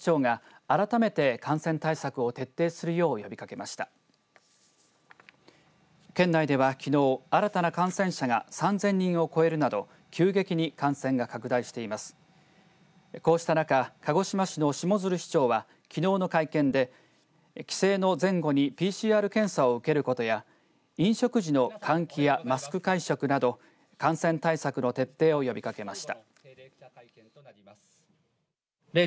こうした中鹿児島市の下鶴市長はきのうの会見で帰省の前後にＰＣＲ検査を受けることや飲食時の換気やマスク会食など感染対策の徹底を呼びかけました。